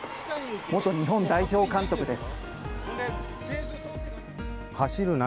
元日本代表監督です。